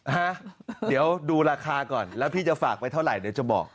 ฮะเดี๋ยวดูราคาก่อนแล้วพี่จะฝากไปเท่าไหร่เดี๋ยวจะบอก